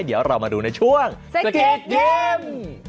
เดี๋ยวเรามาดูในช่วงสะกิดยิ้ม